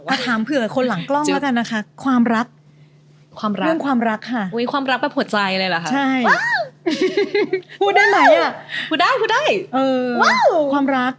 อะถามเผื่อคนหลังกล้องก็แค่กันนะค่ะความรัก